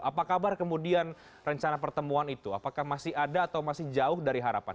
apa kabar kemudian rencana pertemuan itu apakah masih ada atau masih jauh dari harapan